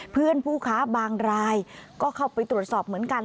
ผู้ค้าบางรายก็เข้าไปตรวจสอบเหมือนกัน